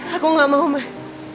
aku gak mau mas